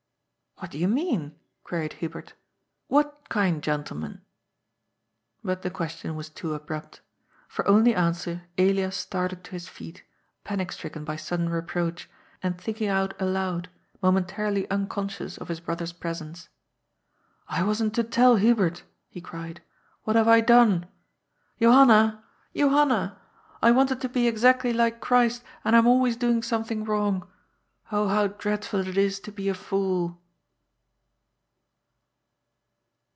" What do you mean ?" queried Hubert " What kind gentleman ?" But the question was too abrupt. For only answer Elias started to his feet, panic stricken by sudden reproach, and thinking out aloud, momentarily unconscious of his broth er's presence. " I wasn't to tell Hubert !" he cried. " What have I done? Johanna ! Johanna ! I wanted to be exactly like Christ, and I am always doing something wrong ! Oh how dreadful it is to be a fool